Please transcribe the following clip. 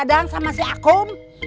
atau si akum